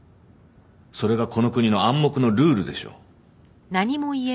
それがこの国の暗黙のルールでしょう。